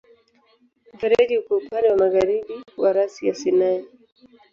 Mfereji uko upande wa magharibi wa rasi ya Sinai.